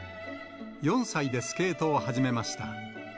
４歳でスケートを始めました。